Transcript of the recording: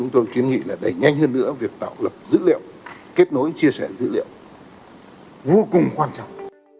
tôi kiến nghị là đẩy nhanh hơn nữa việc tạo lập dữ liệu kết nối chia sẻ dữ liệu vô cùng quan trọng